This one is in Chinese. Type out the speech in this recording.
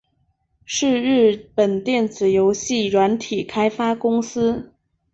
是日本电子游戏软体开发公司。